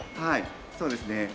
はいそうですね。